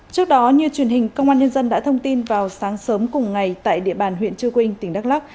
trước đó như truyền hình công an nhân dân đã thông tin vào sáng sớm cùng ngày tại địa bàn huyện trư quynh tỉnh đắk lắc